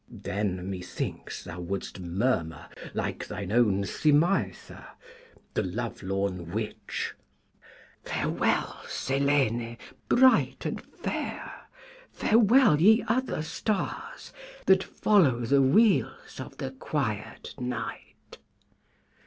Then, methinks, thou wouldst murmur, like thine own Simaetha, the love lorn witch, 'Farewell, Selene, bright and fair; farewell, ye other stars, that follow the wheels of the quiet Night.'